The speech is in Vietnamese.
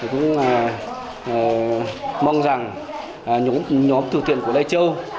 chúng tôi mong rằng nhóm thư thiện của lê châu